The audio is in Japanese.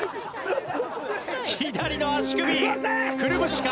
左の足首くるぶしか？